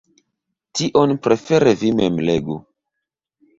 Tion prefere vi mem legu.